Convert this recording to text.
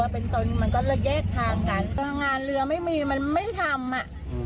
เป็นตัวเป็นตนมันก็จะแยกทางกันงานเรือไม่มีมันไม่ทำอ่ะ